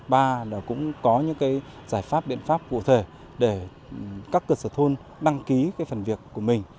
ba là cũng có những giải pháp biện pháp cụ thể để các cơ sở thôn đăng ký phần việc của mình